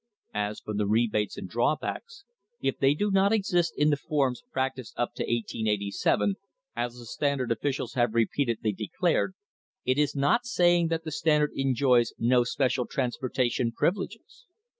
* As for the rebates and drawbacks, if they do not exist in the forms practised up to 1887, as the Standard officials have repeatedly declared, it is not saying that the Standard enjoys no special transportation privileges.